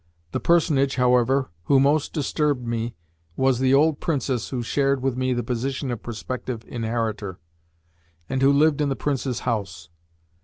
The personage, however, who most disturbed me was the old Princess who shared with me the position of prospective inheritor, and who lived in the Prince's house.